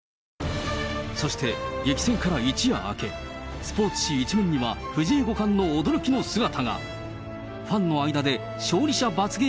そして、激戦から一夜明け、スポーツ紙１面には、花王がついに突き止めた。